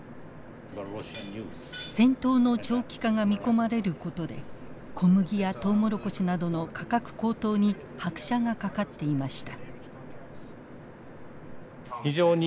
戦闘の長期化が見込まれることで小麦やトウモロコシなどの価格高騰に拍車がかかっていました。